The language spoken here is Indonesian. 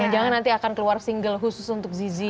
jangan nanti akan keluar single khusus untuk zizi